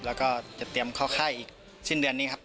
แล้วก็จะเตรียมเข้าค่ายอีกสิ้นเดือนนี้ครับ